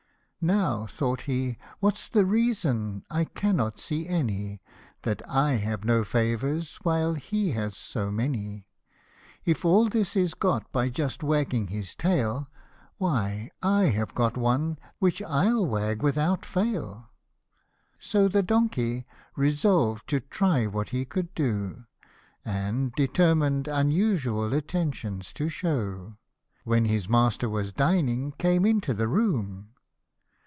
" Now," thought he, " what's the reason I cannot see any, That I have no favours, while he has so many? If all this is got hy just wagging his tail, Why I have got one, which I'll wag without fail." So the donkey, resolved to try what he could do, And, determined unusual attentions to shew, When his master was dining came into the room.